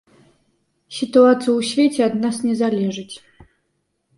Сітуацыя ў свеце ад нас не залежыць.